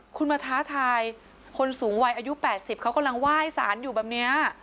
คุณมาท้าทายคนสูงวัยอายุ๘๐เขากำลังไหว้สารอยู่แบบนี้